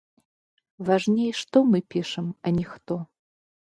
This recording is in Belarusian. Важней, што мы пішам, а не хто.